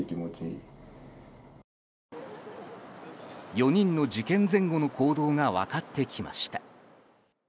４人の事件前後の行動が分かってきました。